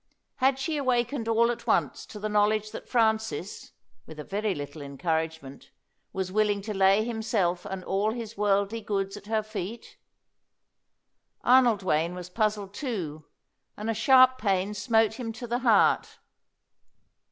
Had she awakened all at once to the knowledge that Francis (with a very little encouragement) was willing to lay himself and all his worldly goods at her feet? Arnold Wayne was puzzled too, and a sharp pain smote him to the heart.